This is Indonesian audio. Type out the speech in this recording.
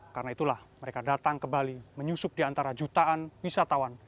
karena itulah mereka datang ke bali menyusup di antara jutaan wisatawan